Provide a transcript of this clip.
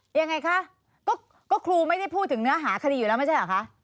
ยังไงคะก็ครูไม่ได้พูดถึงเนื้อหาคดีอยู่แล้วไม่ใช่เหรอคะ